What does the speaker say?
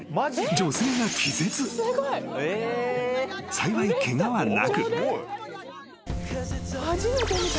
［幸いケガはなく］